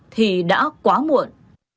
thì đã quá muộn